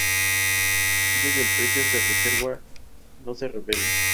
A veces, el precio de reserva no se revela.